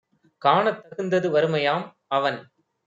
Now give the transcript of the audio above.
காணத் தகுந்தது வறுமையாம் - அவன்